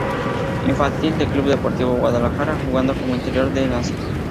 Infantil del Club Deportivo Guadalajara, jugando como interior de enlace.